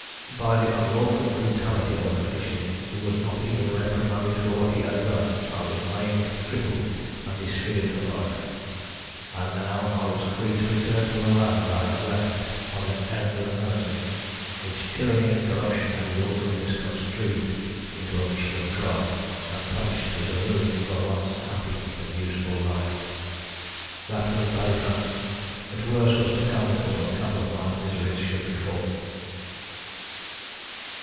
By the unlawful brutality of an official, who was not even reprimanded for what he had done, I was maimed, crippled, and disfigured for life, and now I was free to return to the land I had left on an errand of mercy, which tyranny and corruption had wilfully misconstrued into a mission of crime, and punished with the ruin of a once happy and useful life. That was bad enough, but worse was to come before the cup of my miseries should be full."